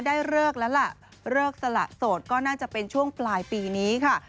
ได้เลิกแล้วล่ะเลิกสละโสดก็น่าจะเป็นช่วงปลายปีนี้ค่ะ